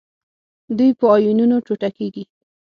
دوی په آیونونو ټوټه کیږي.